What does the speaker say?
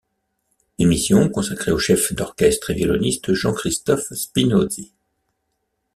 Émission consacrée au chef d'orchestre et violoniste Jean-Christophe Spinosi.